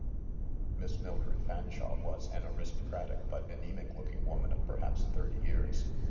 Miss Miildred Fanshawe was an aristocratic but anemic looking woman of perhaps thirty years.